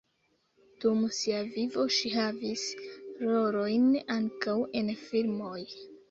Dum sia vivo ŝi havis rolojn ankaŭ en filmoj.